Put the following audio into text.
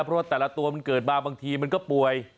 เพราะว่าแต่ละตัวมันเกิดมาบางทีมันก็ป่วย